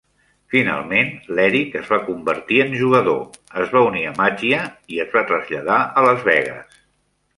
Finalment l'Eric es va convertir en jugador, es va unir a Maggia i es va traslladar a Las Vegas.